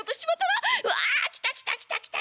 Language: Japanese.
うわ来た来た来た来た来た」。